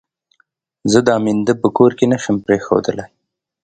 زه دا مينده په کور کې نه شم پرېښودلای.